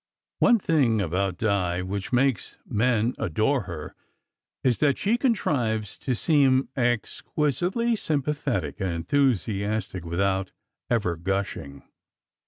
One thing about Di, which makes men adore her, is that 42 SECRET HISTORY she contrives to seem exquisitely sympathetic and en thusiastic without ever gushing.